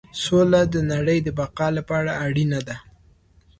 سوله د نړۍ د بقا لپاره اړینه ده.